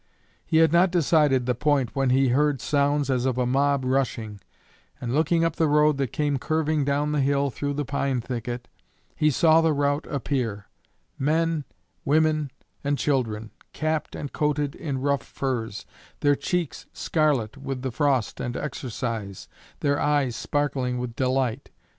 He had not decided the point when he heard sounds as of a mob rushing, and, looking up the road that came curving down the hill through the pine thicket, he saw the rout appear men, women and children, capped and coated in rough furs, their cheeks scarlet with the frost and exercise, their eyes sparkling with delight.